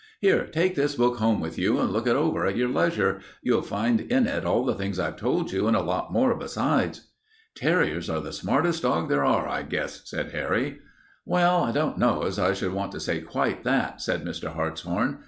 Here, take this book home with you, and look it over at your leisure. You'll find in it all the things I've told you and a lot more besides." "Terriers are the smartest dogs there are, I guess," said Harry. "Well, I don't know as I should want to say quite that," said Mr. Hartshorn.